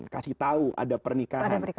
beri tahu ada pernikahan